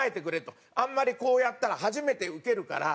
あんまりこうやったら初めて受けるから。